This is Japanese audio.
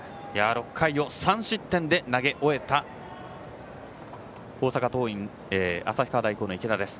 ６回を３失点で投げ終えた旭川大高の池田。